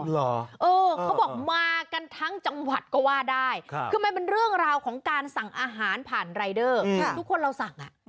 เขาบอกมากันทั้งจังหวัดก็ว่าได้คือมันเป็นเรื่องราวของการสั่งอาหารผ่านรายเดอร์ทุกคนเราสั่ง